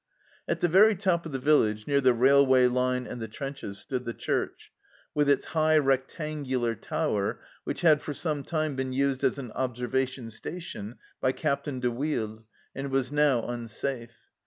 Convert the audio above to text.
At the very top of the village, near the railway line and the trenches, stood the church, with its high rectangular tower, which had for some time been used as an observation station by Captain de Wilde, and was now unsafe.